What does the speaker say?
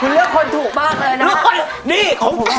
คุณเลือกคนถูกมากเลยนะ